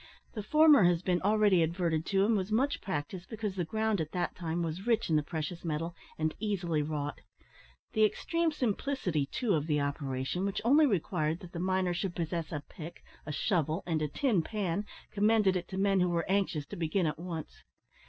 The former has been already adverted to, and was much practised because the ground at that time was rich in the precious metal and easily wrought; the extreme simplicity, too, of the operation, which only required that the miner should possess a pick, a shovel, and a tin pan, commended it to men who were anxious to begin at once.